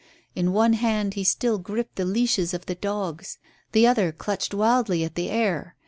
In one hand he still gripped the leashes of the dogs. The other clutched wildly at the air.